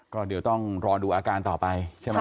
ก็เดี๋ยวต้องรอดูอาการต่อไปใช่ไหม